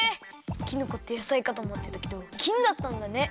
きのこって野菜かとおもってたけどきんだったんだね。